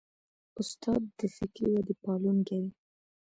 استاد د فکري ودې پالونکی دی.